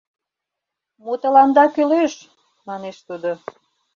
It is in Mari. — Мо тыланда кӱлеш? — манеш тудо.